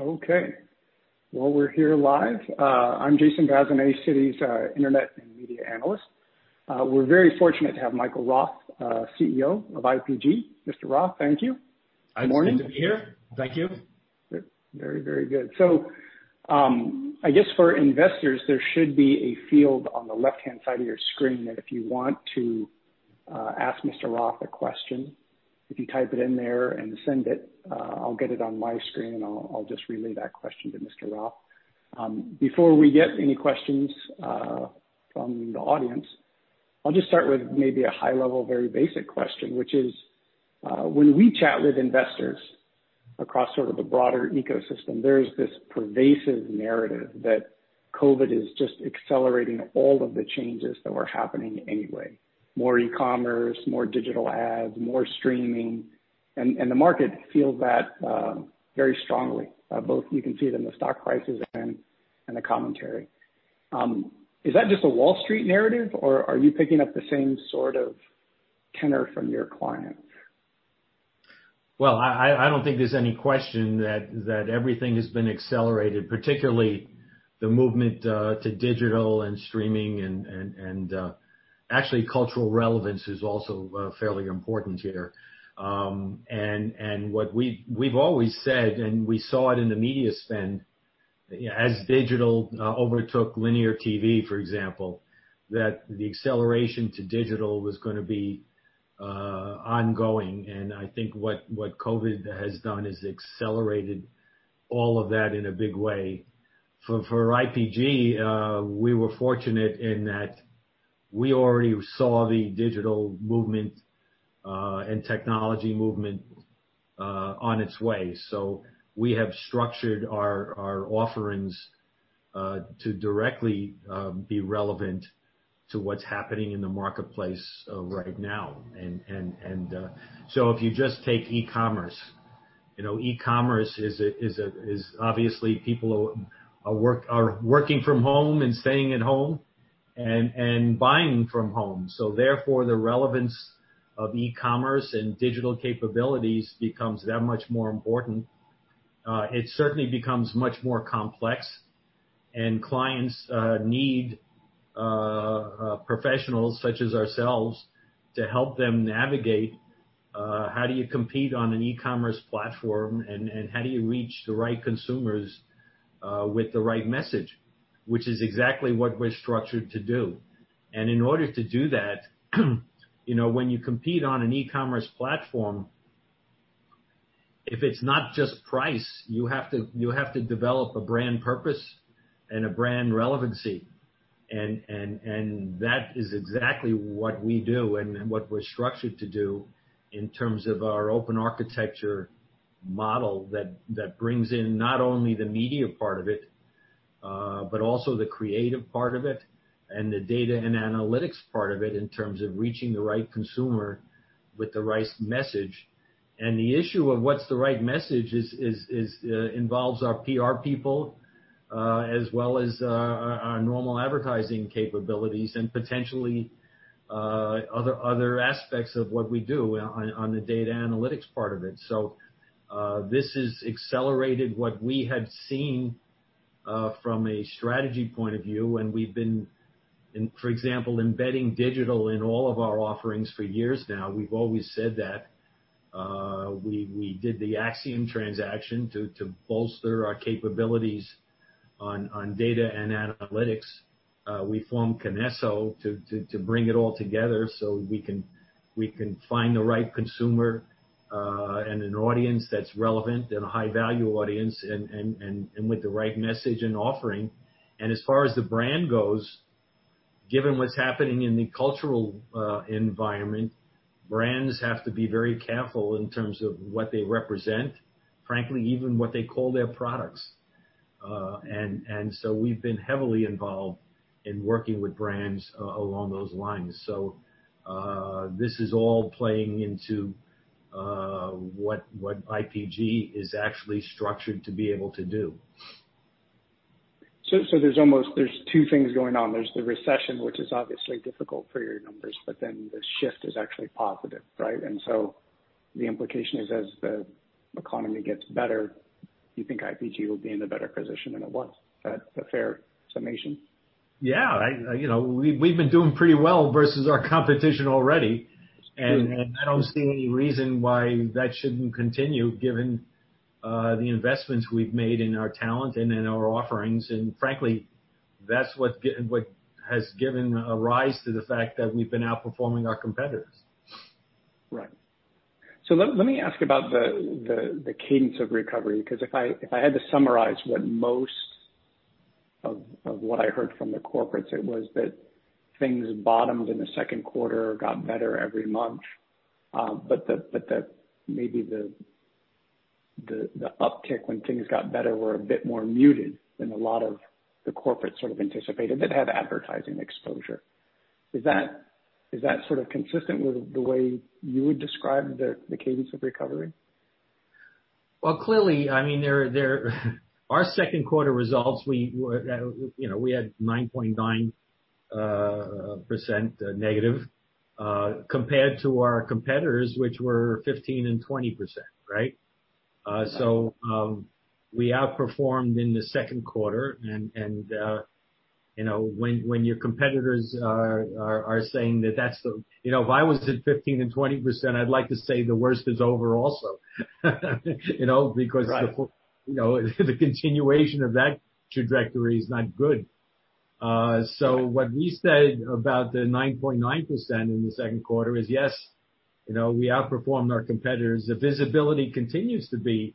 Okay, well, we're here live. I'm Jason Bazinet, Citi's Internet and Media Analyst. We're very fortunate to have Michael Roth, CEO of IPG. Mr. Roth, thank you. Good morning. Good to be here. Thank you. Very, very good. So I guess for investors, there should be a field on the left-hand side of your screen that if you want to ask Mr. Roth a question, if you type it in there and send it, I'll get it on my screen and I'll just relay that question to Mr. Roth. Before we get any questions from the audience, I'll just start with maybe a high-level, very basic question, which is, when we chat with investors across sort of the broader ecosystem, there's this pervasive narrative that COVID is just accelerating all of the changes that were happening anyway: more e-commerce, more digital ads, more streaming, and the market feels that very strongly, both you can see it in the stock prices and the commentary. Is that just a Wall Street narrative, or are you picking up the same sort of tenor from your clients? Well, I don't think there's any question that everything has been accelerated, particularly the movement to digital and streaming, and actually cultural relevance is also fairly important here. And what we've always said, and we saw it in the media spend, as digital overtook linear TV, for example, that the acceleration to digital was going to be ongoing. And I think what COVID has done is accelerated all of that in a big way. For IPG, we were fortunate in that we already saw the digital movement and technology movement on its way. So we have structured our offerings to directly be relevant to what's happening in the marketplace right now. And so if you just take e-commerce, e-commerce is obviously people are working from home and staying at home and buying from home. So therefore, the relevance of e-commerce and digital capabilities becomes that much more important. It certainly becomes much more complex, and clients need professionals such as ourselves to help them navigate how do you compete on an e-commerce platform and how do you reach the right consumers with the right message, which is exactly what we're structured to do, and in order to do that, when you compete on an e-commerce platform, if it's not just price, you have to develop a brand purpose and a brand relevancy, and that is exactly what we do and what we're structured to do in terms of our open architecture model that brings in not only the media part of it, but also the creative part of it and the data analytics part of it in terms of reaching the right consumer with the right message. The issue of what's the right message involves our PR people as well as our normal advertising capabilities and potentially other aspects of what we do on the data analytics part of it. So this has accelerated what we had seen from a strategy point of view. We've been, for example, embedding digital in all of our offerings for years now. We've always said that. We did the Acxiom transaction to bolster our capabilities on data analytics. We formed Kinesso to bring it all together so we can find the right consumer and an audience that's relevant and a high-value audience and with the right message and offering. As far as the brand goes, given what's happening in the cultural environment, brands have to be very careful in terms of what they represent, frankly, even what they call their products. And so we've been heavily involved in working with brands along those lines. So this is all playing into what IPG is actually structured to be able to do. So there's two things going on. There's the recession, which is obviously difficult for your numbers, but then the shift is actually positive, right? And so the implication is as the economy gets better, you think IPG will be in a better position than it was. Is that a fair summation? Yeah. We've been doing pretty well versus our competition already, and I don't see any reason why that shouldn't continue given the investments we've made in our talent and in our offerings, and frankly, that's what has given rise to the fact that we've been outperforming our competitors. Right. So let me ask about the cadence of recovery, because if I had to summarize what most of what I heard from the corporates, it was that things bottomed in the second quarter, got better every month, but that maybe the uptick when things got better were a bit more muted than a lot of the corporates sort of anticipated that had advertising exposure. Is that sort of consistent with the way you would describe the cadence of recovery? Clearly, I mean, our second quarter results, we had 9.9% negative compared to our competitors, which were 15%-20%, right? So we outperformed in the second quarter. And when your competitors are saying that that's the, if I was at 15%-20%, I'd like to say the worst is over also, because the continuation of that trajectory is not good. So what we said about the 9.9% in the second quarter is, yes, we outperformed our competitors. The visibility continues to be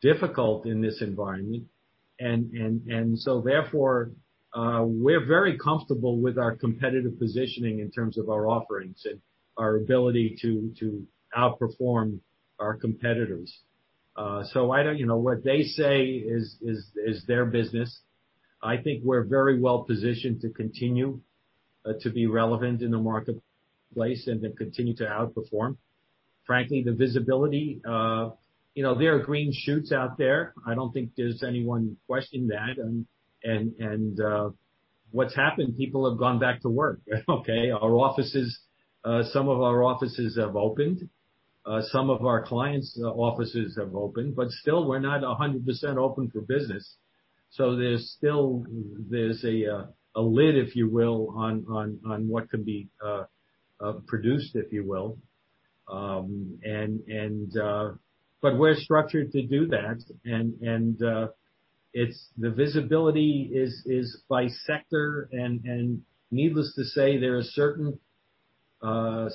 difficult in this environment. And so therefore, we're very comfortable with our competitive positioning in terms of our offerings and our ability to outperform our competitors. So what they say is their business. I think we're very well positioned to continue to be relevant in the marketplace and to continue to outperform. Frankly, the visibility, there are green shoots out there. I don't think there's anyone questioning that, and what's happened? People have gone back to work, okay? Some of our offices have opened. Some of our clients' offices have opened, but still, we're not 100% open for business, so there's still a lid, if you will, on what can be produced, if you will. But we're structured to do that, and the visibility is by sector, and needless to say, there are certain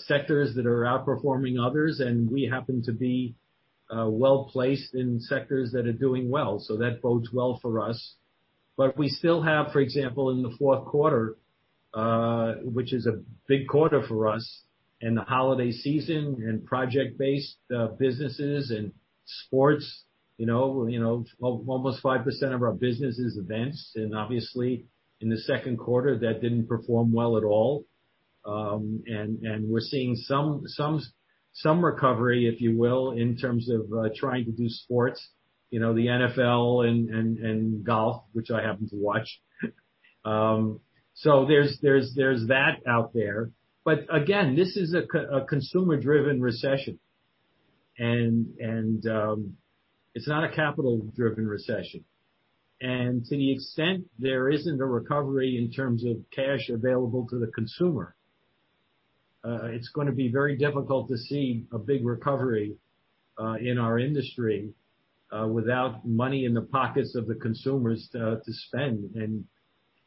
sectors that are outperforming others, and we happen to be well placed in sectors that are doing well, so that bodes well for us. But we still have, for example, in the fourth quarter, which is a big quarter for us, and the holiday season and project-based businesses and sports. Almost 5% of our business is events, and obviously, in the second quarter, that didn't perform well at all. And we're seeing some recovery, if you will, in terms of trying to do sports, the NFL and golf, which I happen to watch. So there's that out there. But again, this is a consumer-driven recession. And it's not a capital-driven recession. And to the extent there isn't a recovery in terms of cash available to the consumer, it's going to be very difficult to see a big recovery in our industry without money in the pockets of the consumers to spend. And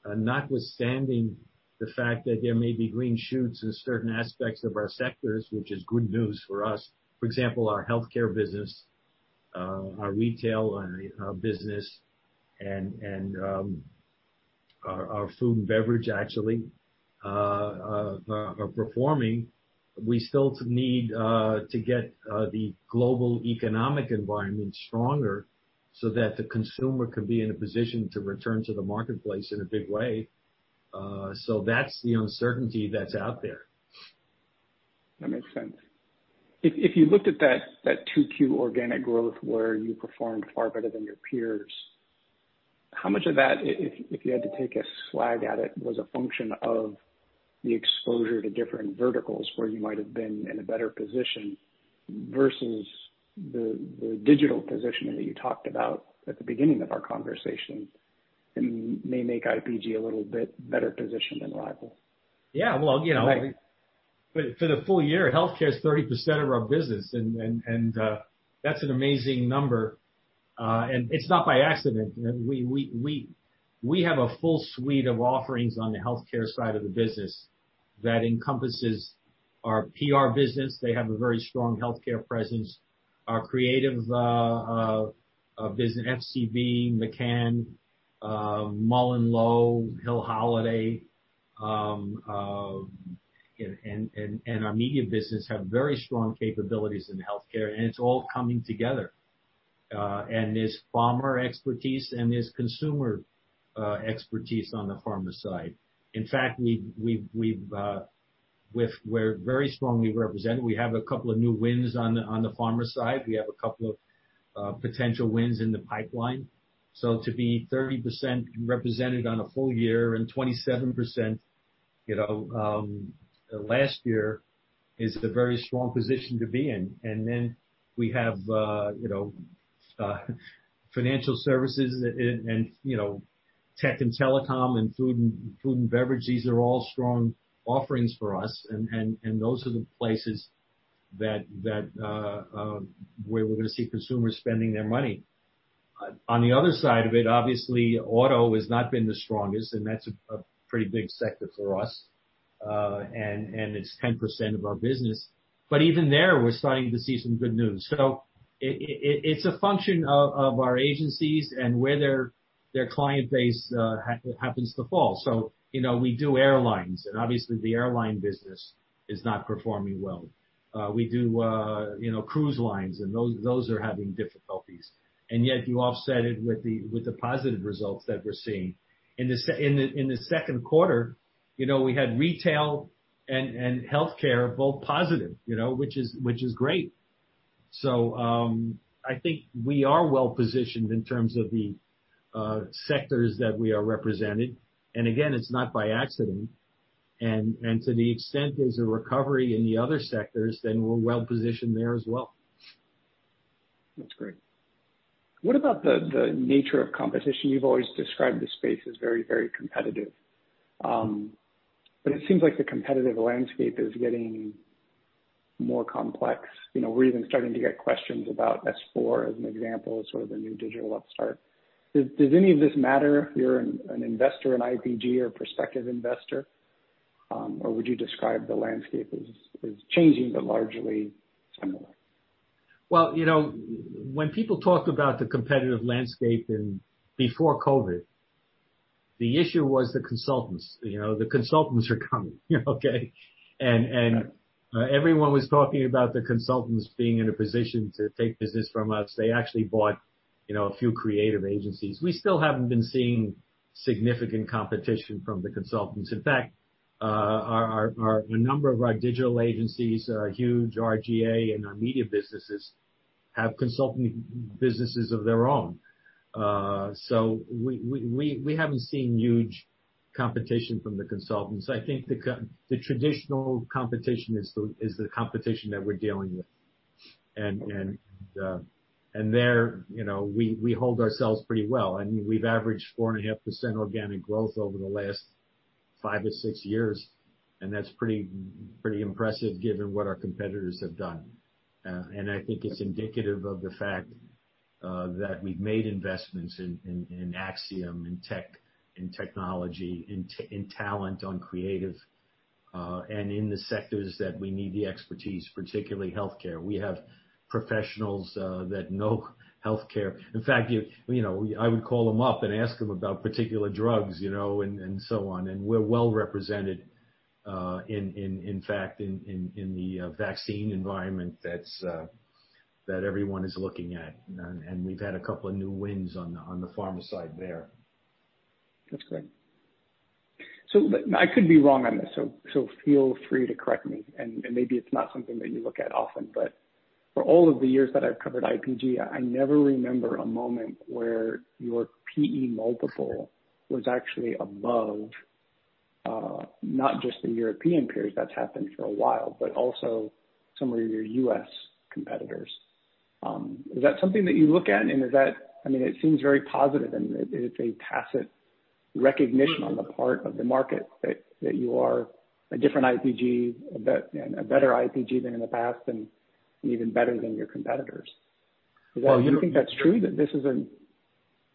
notwithstanding the fact that there may be green shoots in certain aspects of our sectors, which is good news for us, for example, our healthcare business, our retail business, and our food and beverage actually are performing, we still need to get the global economic environment stronger so that the consumer can be in a position to return to the marketplace in a big way. So that's the uncertainty that's out there. That makes sense. If you looked at that 2Q organic growth where you performed far better than your peers, how much of that, if you had to take a swag at it, was a function of the exposure to different verticals where you might have been in a better position versus the digital position that you talked about at the beginning of our conversation and may make IPG a little bit better positioned than rivals? Yeah. Well, for the full year, healthcare is 30% of our business. And that's an amazing number. And it's not by accident. We have a full suite of offerings on the healthcare side of the business that encompasses our PR business. They have a very strong healthcare presence. Our creative business, FCB, McCann, MullenLowe, Hill Holliday, and our media business have very strong capabilities in healthcare. And it's all coming together. And there's pharma expertise and there's consumer expertise on the pharma side. In fact, we're very strongly represented. We have a couple of new wins on the pharma side. We have a couple of potential wins in the pipeline. So to be 30% represented on a full year and 27% last year is a very strong position to be in. And then we have financial services and tech and telecom and food and beverage. These are all strong offerings for us. And those are the places where we're going to see consumers spending their money. On the other side of it, obviously, auto has not been the strongest, and that's a pretty big sector for us. And it's 10% of our business. But even there, we're starting to see some good news. So it's a function of our agencies and where their client base happens to fall. So we do airlines. And obviously, the airline business is not performing well. We do cruise lines, and those are having difficulties. And yet you offset it with the positive results that we're seeing. In the second quarter, we had retail and healthcare both positive, which is great. So I think we are well positioned in terms of the sectors that we are represented. And again, it's not by accident. To the extent there's a recovery in the other sectors, then we're well positioned there as well. That's great. What about the nature of competition? You've always described the space as very, very competitive. But it seems like the competitive landscape is getting more complex. We're even starting to get questions about S4 as an example, sort of a new digital upstart. Does any of this matter if you're an investor in IPG or a prospective investor? Or would you describe the landscape as changing, but largely similar? When people talk about the competitive landscape before COVID, the issue was the consultants. The consultants are coming, okay? Everyone was talking about the consultants being in a position to take business from us. They actually bought a few creative agencies. We still haven't been seeing significant competition from the consultants. In fact, a number of our digital agencies, our Huge, R/GA, and our media businesses have consulting businesses of their own. So we haven't seen huge competition from the consultants. I think the traditional competition is the competition that we're dealing with. There, we hold ourselves pretty well. I mean, we've averaged 4.5% organic growth over the last five or six years. That's pretty impressive given what our competitors have done. I think it's indicative of the fact that we've made investments in Acxiom and tech and technology and talent on creative and in the sectors that we need the expertise, particularly healthcare. We have professionals that know healthcare. In fact, I would call them up and ask them about particular drugs and so on. We're well represented, in fact, in the vaccine environment that everyone is looking at. We've had a couple of new wins on the pharma side there. That's great. So I could be wrong on this. So feel free to correct me. And maybe it's not something that you look at often. But for all of the years that I've covered IPG, I never remember a moment where your PE multiple was actually above, not just the European peers that's happened for a while, but also some of your U.S. competitors. Is that something that you look at? And I mean, it seems very positive. And it's a tacit recognition on the part of the market that you are a different IPG, a better IPG than in the past, and even better than your competitors. Do you think that's true that this isn't?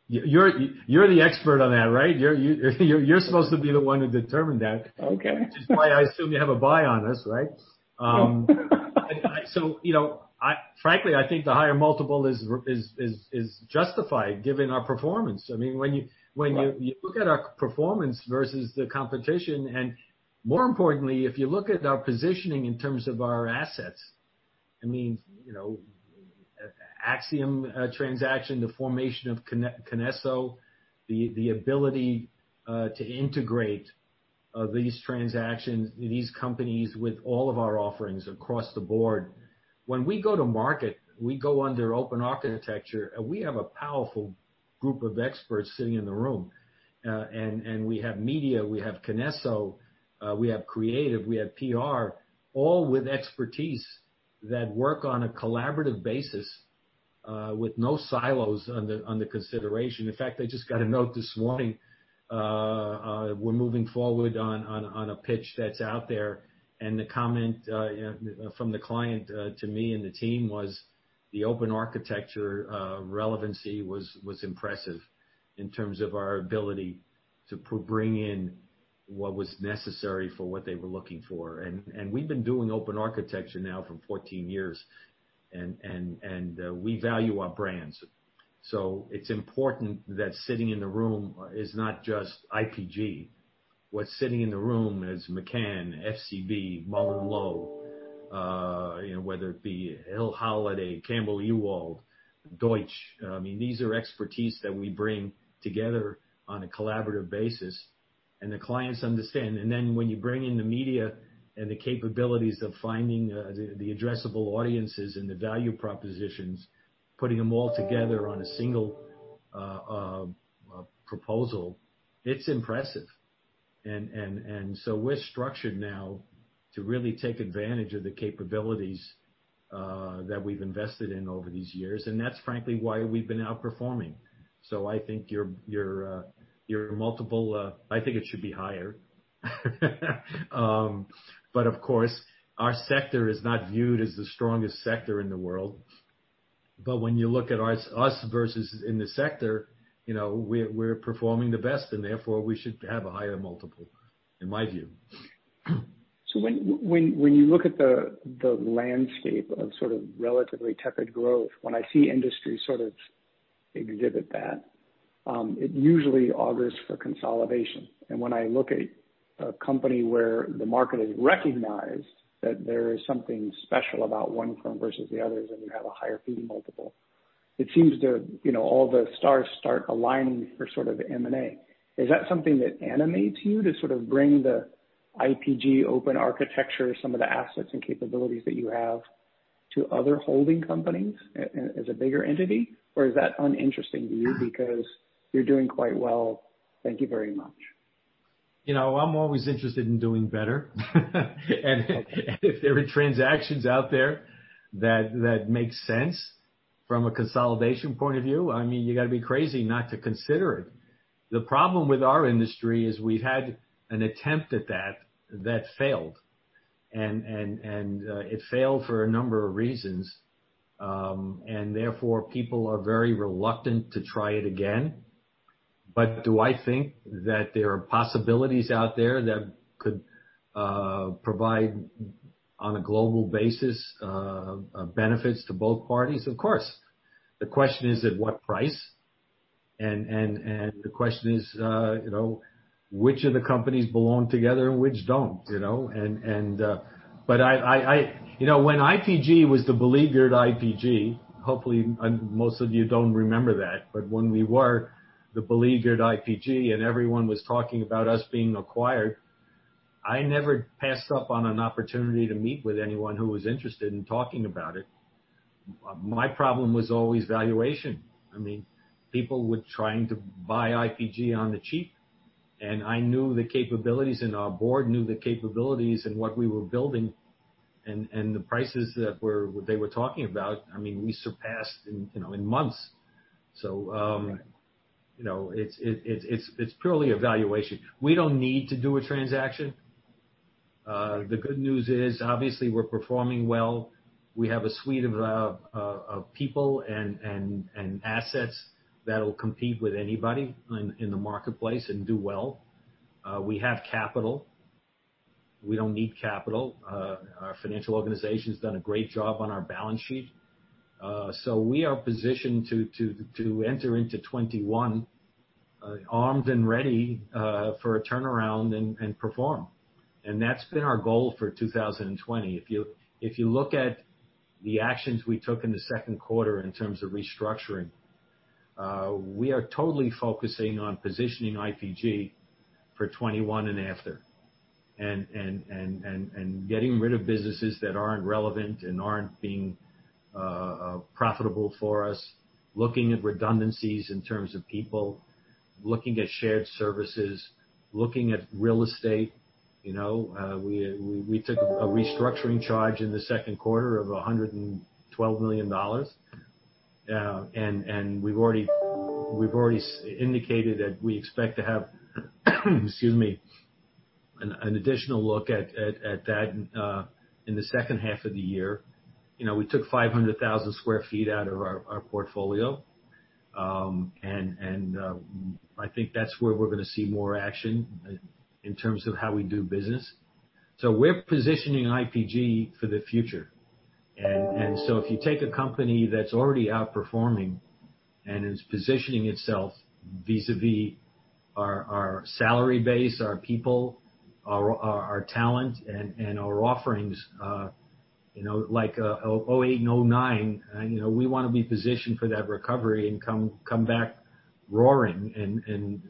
You're the expert on that, right? You're supposed to be the one who determined that. Okay. Which is why I assume you have a buy on us, right? So frankly, I think the higher multiple is justified given our performance. I mean, when you look at our performance versus the competition, and more importantly, if you look at our positioning in terms of our assets, I mean, Acxiom transaction, the formation of Kinesso, the ability to integrate these transactions, these companies with all of our offerings across the board. When we go to market, we go under open architecture, and we have a powerful group of experts sitting in the room, and we have media, we have Kinesso, we have creative, we have PR, all with expertise that work on a collaborative basis with no silos on the consideration. In fact, I just got a note this morning. We're moving forward on a pitch that's out there. And the comment from the client to me and the team was the open architecture relevancy was impressive in terms of our ability to bring in what was necessary for what they were looking for. And we've been doing open architecture now for 14 years. And we value our brands. So it's important that sitting in the room is not just IPG. What's sitting in the room is McCann, FCB, MullenLowe, whether it be Hill Holliday, Campbell Ewald, Deutsch. I mean, these are expertise that we bring together on a collaborative basis. And the clients understand. And then when you bring in the media and the capabilities of finding the addressable audiences and the value propositions, putting them all together on a single proposal, it's impressive. And so we're structured now to really take advantage of the capabilities that we've invested in over these years. And that's frankly why we've been outperforming. So I think your multiple I think it should be higher. But of course, our sector is not viewed as the strongest sector in the world. But when you look at us versus in the sector, we're performing the best. And therefore, we should have a higher multiple, in my view. So when you look at the landscape of sort of relatively tepid growth, when I see industries sort of exhibit that, it usually augurs for consolidation. And when I look at a company where the market has recognized that there is something special about one firm versus the others and you have a higher PE multiple, it seems that all the stars start aligning for sort of M&A. Is that something that animates you to sort of bring the IPG open architecture, some of the assets and capabilities that you have to other holding companies as a bigger entity? Or is that uninteresting to you because you're doing quite well? Thank you very much. You know, I'm always interested in doing better. And if there are transactions out there that make sense from a consolidation point of view, I mean, you got to be crazy not to consider it. The problem with our industry is we've had an attempt at that that failed. And it failed for a number of reasons. And therefore, people are very reluctant to try it again. But do I think that there are possibilities out there that could provide on a global basis benefits to both parties? Of course. The question is at what price. And the question is which of the companies belong together and which don't. But when IPG was the beleaguered IPG, hopefully, most of you don't remember that. but when we were the beleaguered IPG and everyone was talking about us being acquired, I never passed up on an opportunity to meet with anyone who was interested in talking about it. My problem was always valuation. I mean, people were trying to buy IPG on the cheap. and I knew the capabilities and our board knew the capabilities and what we were building and the prices that they were talking about. I mean, we surpassed in months. so it's purely a valuation. We don't need to do a transaction. The good news is, obviously, we're performing well. We have a suite of people and assets that will compete with anybody in the marketplace and do well. We have capital. We don't need capital. Our financial organization has done a great job on our balance sheet. So we are positioned to enter into 2021 armed and ready for a turnaround and perform. And that's been our goal for 2020. If you look at the actions we took in the second quarter in terms of restructuring, we are totally focusing on positioning IPG for 2021 and after and getting rid of businesses that aren't relevant and aren't being profitable for us, looking at redundancies in terms of people, looking at shared services, looking at real estate. We took a restructuring charge in the second quarter of $112 million. And we've already indicated that we expect to have, excuse me, an additional look at that in the second half of the year. We took 500,000 sq ft out of our portfolio. And I think that's where we're going to see more action in terms of how we do business. So we're positioning IPG for the future. And so if you take a company that's already outperforming and is positioning itself vis-à-vis our salary base, our people, our talent, and our offerings like 2008 and 2009, we want to be positioned for that recovery and come back roaring. And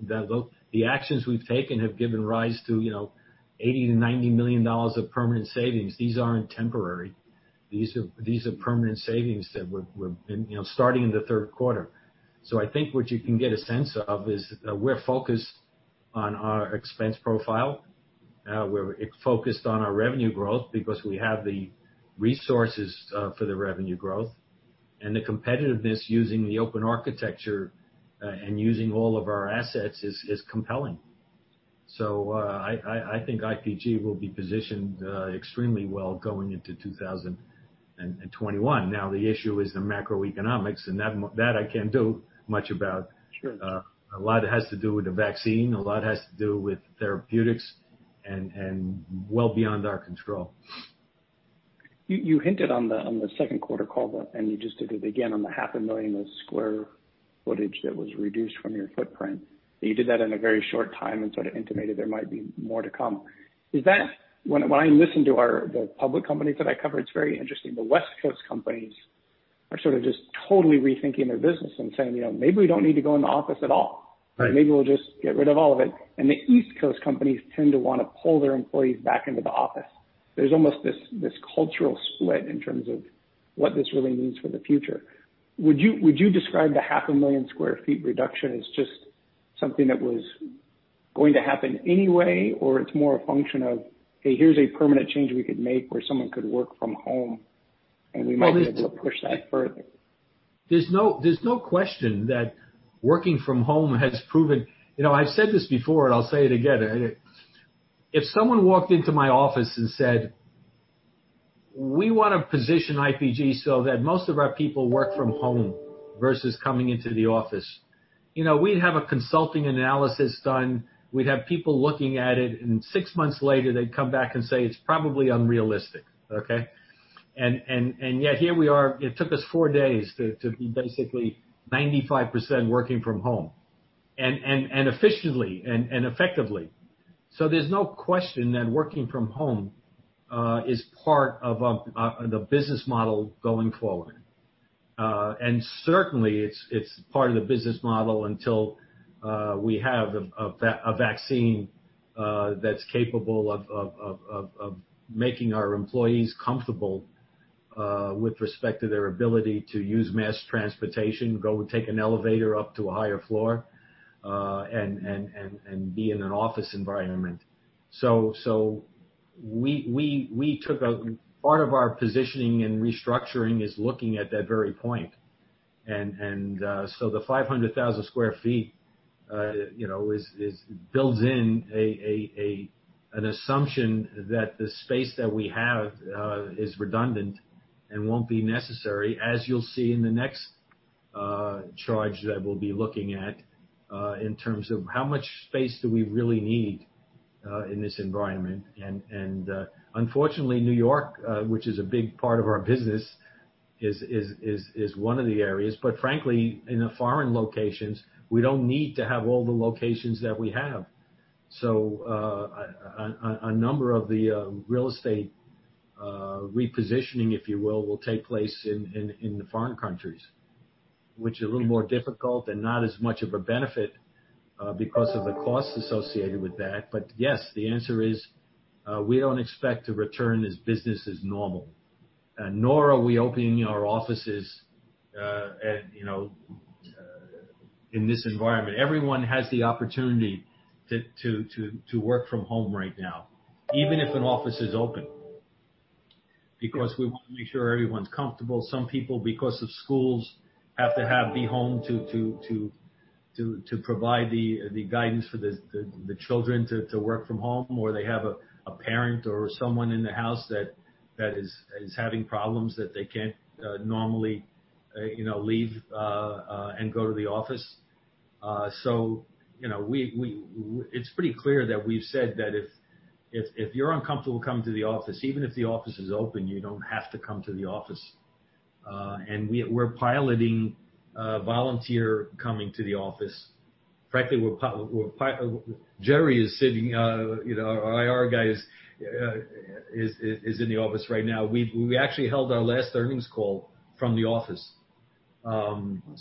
the actions we've taken have given rise to $80 million-$90 million of permanent savings. These aren't temporary. These are permanent savings that were starting in the third quarter. So I think what you can get a sense of is we're focused on our expense profile. We're focused on our revenue growth because we have the resources for the revenue growth. And the competitiveness using the open architecture and using all of our assets is compelling. So I think IPG will be positioned extremely well going into 2021. Now, the issue is the macroeconomics. And that I can't do much about. A lot has to do with the vaccine. A lot has to do with therapeutics and well beyond our control. You hinted on the second quarter call, and you just did it again on the 500,000 sq ft that was reduced from your footprint. You did that in a very short time and sort of intimated there might be more to come. When I listen to the public companies that I cover, it's very interesting. The West Coast companies are sort of just totally rethinking their business and saying, "Maybe we don't need to go in the office at all. Maybe we'll just get rid of all of it." And the East Coast companies tend to want to pull their employees back into the office. There's almost this cultural split in terms of what this really means for the future. Would you describe the 500,000 sq ft reduction as just something that was going to happen anyway, or it's more a function of, "Hey, here's a permanent change we could make where someone could work from home, and we might be able to push that further"? There's no question that working from home has proven, you know, I've said this before, and I'll say it again. If someone walked into my office and said, "We want to position IPG so that most of our people work from home versus coming into the office," we'd have a consulting analysis done. We'd have people looking at it. And six months later, they'd come back and say, "It's probably unrealistic," okay? And yet here we are. It took us four days to be basically 95% working from home and efficiently and effectively. So there's no question that working from home is part of the business model going forward. And certainly, it's part of the business model until we have a vaccine that's capable of making our employees comfortable with respect to their ability to use mass transportation, go take an elevator up to a higher floor, and be in an office environment. So part of our positioning and restructuring is looking at that very point. And so the 500,000 sq ft builds in an assumption that the space that we have is redundant and won't be necessary, as you'll see in the next charge that we'll be looking at in terms of how much space do we really need in this environment. And unfortunately, New York, which is a big part of our business, is one of the areas. But frankly, in the foreign locations, we don't need to have all the locations that we have. A number of the real estate repositioning, if you will, will take place in the foreign countries, which is a little more difficult and not as much of a benefit because of the costs associated with that. But yes, the answer is we don't expect to return to business as normal, nor are we opening our offices in this environment. Everyone has the opportunity to work from home right now, even if an office is open, because we want to make sure everyone's comfortable. Some people, because of schools, have to be home to provide the guidance for the children to work from home, or they have a parent or someone in the house that is having problems that they can't normally leave and go to the office. So it's pretty clear that we've said that if you're uncomfortable coming to the office, even if the office is open, you don't have to come to the office. And we're piloting volunteer coming to the office. Frankly, Jerry is sitting. Our IR guy is in the office right now. We actually held our last earnings call from the office.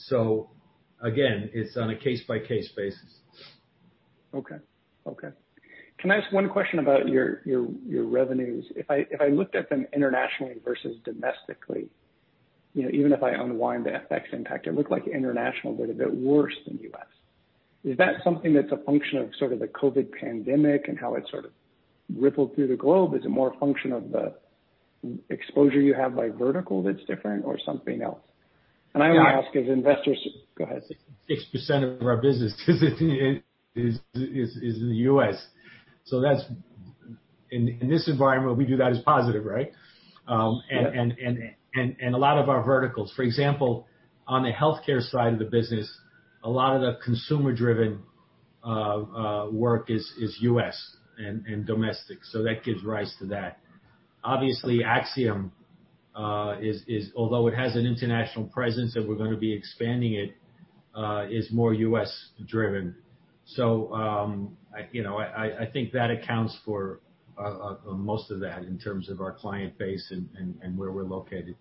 So again, it's on a case-by-case basis. Okay. Okay. Can I ask one question about your revenues? If I looked at them internationally versus domestically, even if I unwind the FX impact, it looked like international did a bit worse than US. Is that something that's a function of sort of the COVID pandemic and how it sort of rippled through the globe? Is it more a function of the exposure you have by vertical that's different or something else? And I only ask as investors go ahead. 6% of our business is in the U.S., so in this environment, we do that as positive, right, and a lot of our verticals, for example, on the healthcare side of the business, a lot of the consumer-driven work is U.S. and domestic, so that gives rise to that. Obviously, Acxiom, although it has an international presence and we're going to be expanding it, is more U.S.-driven, so I think that accounts for most of that in terms of our client base and where we're located.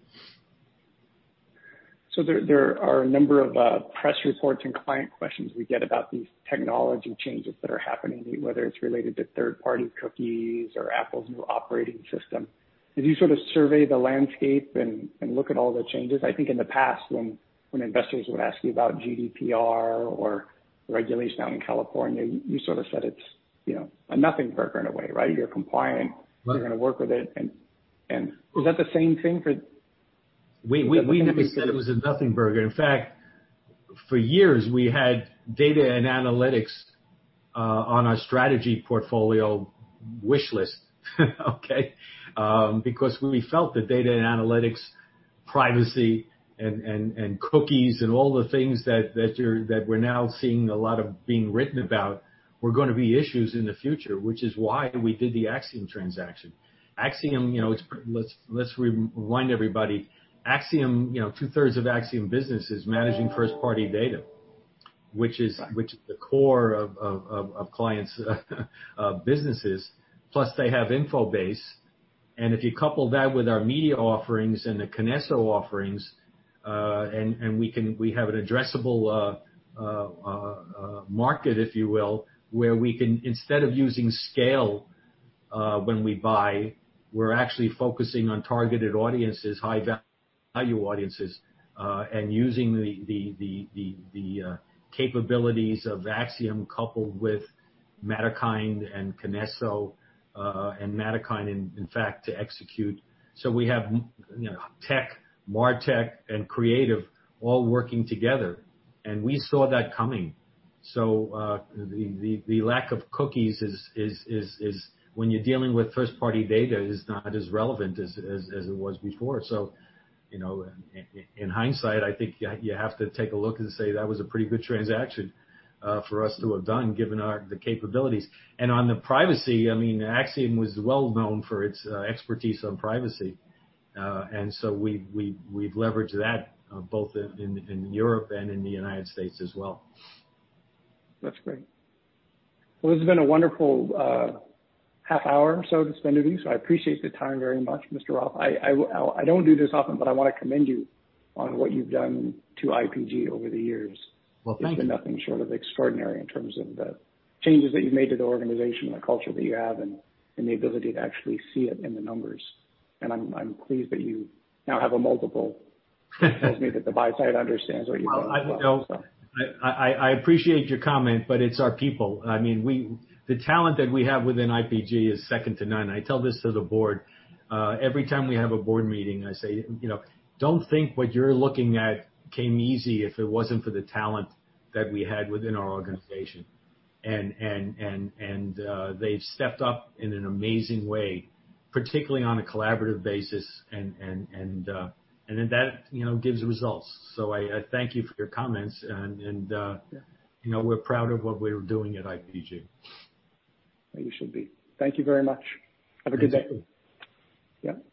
So there are a number of press reports and client questions we get about these technology changes that are happening, whether it's related to third-party cookies or Apple's new operating system. Did you sort of survey the landscape and look at all the changes? I think in the past, when investors would ask you about GDPR or regulation out in California, you sort of said it's a nothing burger in a way, right? You're compliant. You're going to work with it. And is that the same thing for? We never said it was a nothing burger. In fact, for years, we had data analytics on our strategy portfolio wish list, okay, because we felt the data analytics, privacy, and cookies and all the things that we're now seeing a lot of being written about were going to be issues in the future, which is why we did the Acxiom transaction. Let's rewind everybody. Two-thirds of Acxiom business is managing first-party data, which is the core of clients' businesses. Plus, they have Infobase, and if you couple that with our media offerings and the Kinesso offerings, and we have an addressable market, if you will, where we can, instead of using scale when we buy, we're actually focusing on targeted audiences, high-value audiences, and using the capabilities of Acxiom coupled with Matterkind and Kinesso and Matterkind, in fact, to execute. We have tech, MarTech, and creative all working together. We saw that coming. The lack of cookies is, when you're dealing with first-party data, is not as relevant as it was before. In hindsight, I think you have to take a look and say, "That was a pretty good transaction for us to have done," given the capabilities. On the privacy, I mean, Acxiom was well known for its expertise on privacy. We've leveraged that both in Europe and in the United States as well. That's great. This has been a wonderful half hour or so to spend with you. I appreciate the time very much, Mr. Roth. I don't do this often, but I want to commend you on what you've done to IPG over the years. Thank you. It's been nothing short of extraordinary in terms of the changes that you've made to the organization and the culture that you have and the ability to actually see it in the numbers. And I'm pleased that you now have a multiple. It tells me that the buy-side understands what you're talking about. I appreciate your comment, but it's our people. I mean, the talent that we have within IPG is second to none. I tell this to the board. Every time we have a board meeting, I say, "Don't think what you're looking at came easy if it wasn't for the talent that we had within our organization." And they've stepped up in an amazing way, particularly on a collaborative basis. And then that gives results. So I thank you for your comments. And we're proud of what we're doing at IPG. You should be. Thank you very much. Have a good day. Thank you. Yeah.